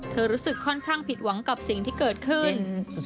รู้สึกค่อนข้างผิดหวังกับสิ่งที่เกิดขึ้น